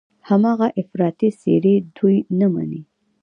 هماغه افراطي څېرې دوی نه مني.